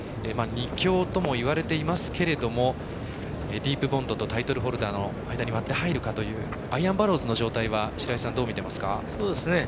２強ともいわれていますけれどもディープボンドとタイトルホルダーの間に割って入るかというアイアンバローズの状態は白井さん、どう見ていますか？